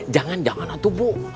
jangan jangan bu